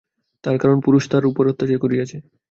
তার কারণ, পুরুষ তার উপর অত্যাচার করছে।